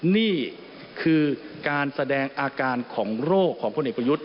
นี่คือการแสดงอาการของโรคของพลเอกประยุทธ์